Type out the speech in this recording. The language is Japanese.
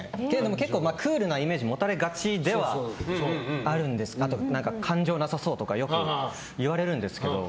結構クールなイメージ持たれがちではあるんですけどあと、感情なさそうとかよく言われるんですけど。